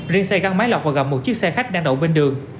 riêng xe gắn máy lọc và gặp một chiếc xe khách đang đậu bên đường